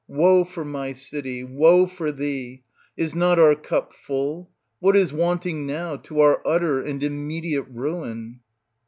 Woe for my city I woe for thee I Is not our cup full ? What is wanting now to our utter and immediate ruin?